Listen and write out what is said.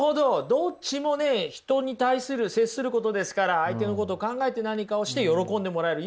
どっちもね人に対する接することですから相手のことを考えて何かをして喜んでもらえる。